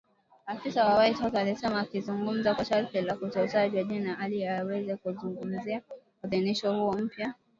afisa wa White House alisema akizungumza kwa sharti la kutotajwa jina ili aweze kuzungumzia uidhinishaji huo mpya